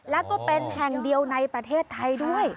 แล้วก็เป็นแห่งเดียวในประเทศไทยด้วย